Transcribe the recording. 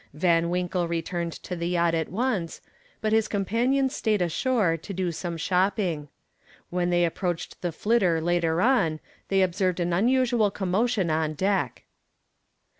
Van Winkle returned to the yacht at once, but his companions stayed ashore to do some shopping. When they approached the "Flitter" later on they observed an unusual commotion on deck.